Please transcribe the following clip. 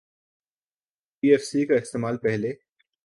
سی F C کا استعمال پہلے